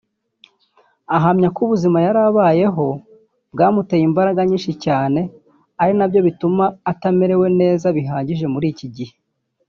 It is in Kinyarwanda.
Ahamya ko ubuzima yari abayeho bwamutwaye imbaraga nyinshi cyane ari nabyo bituma atamerewe neza bihagije muri iki gihe